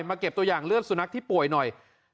เก็บตัวอย่างเลือดสุนัขที่ป่วยหน่อย